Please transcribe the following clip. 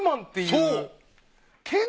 そう！